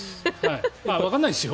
わからないですよ。